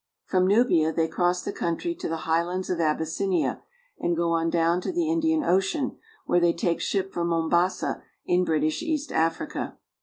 From Nubia they cross the country to the highlands of Abyssinia and go on down to the Indian Ocean, where they take ship for Mombasa in British East Africa.